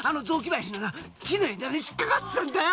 そこの木の枝に引っ掛かってたんだよ！